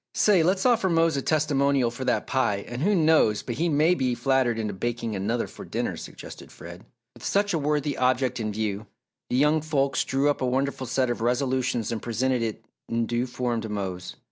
"Say, let's offer Mose a testimonial for that pie and who knows but he may be flattered into baking another for dinner," suggested Fred. With such a worthy object in view, the young folks drew up a wonderful set of resolutions and presented it in due form to Mose.